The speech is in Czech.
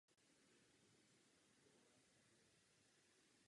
V mládí se učil hře na klarinet.